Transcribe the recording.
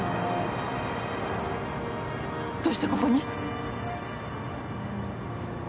どうしてここに？